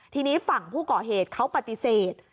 ทีนี้ฝั่งผู้ก่อเหตุเขาปฏิเสธ